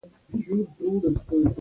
په مجلس یې څوک نه مړېده.